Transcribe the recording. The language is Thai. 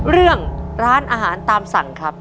เรื่องร้านอาหารตามสั่งครับ